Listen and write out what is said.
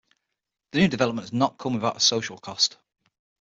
The new development has not come without a social cost.